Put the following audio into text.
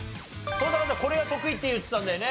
登坂さんこれが得意って言ってたんだよね。